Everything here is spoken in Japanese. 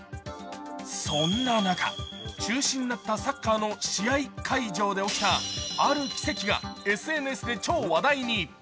そんな中、中止になったサッカーの試合会場で起きたある奇跡がＳＮＳで超話題に。